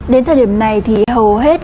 đến thời điểm này thì hầu hết